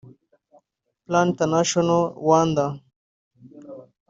Plan International Rwanda